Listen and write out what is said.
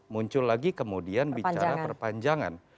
muncul lagi kemudian bicara perpanjangan